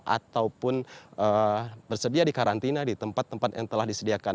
ataupun bersedia di karantina di tempat tempat yang telah disediakan